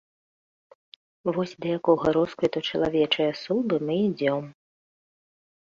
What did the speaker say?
Вось да якога росквіту чалавечай асобы мы ідзём.